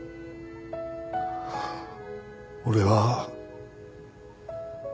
俺は。